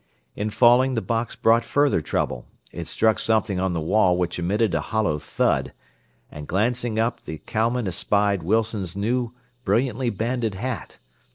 In falling the box brought further trouble. It struck something on the wall which emitted a hollow thud, and glancing up the cowmen espied Wilson's new, brilliantly banded hat.